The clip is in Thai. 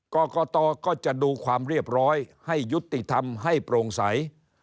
กรกตก็จะดูความเรียบร้อยให้ยุติธรรมให้โปร่งใส